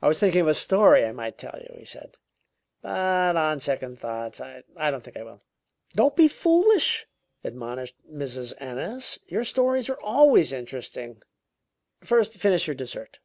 "I was thinking of a story I might tell you," he said, "but on second thoughts I don't think I will." "Don't be foolish!" admonished Mrs. Ennis. "Your stories are always interesting. First finish your dessert."